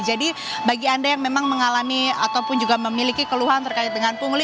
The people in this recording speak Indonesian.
jadi bagi anda yang memang mengalami ataupun juga memiliki keluhan terkait dengan pungli